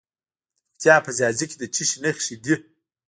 د پکتیا په ځاځي کې د څه شي نښې دي؟